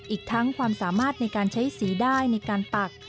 อีกทั้งความสามารถในการใช้สีได้ในการปัก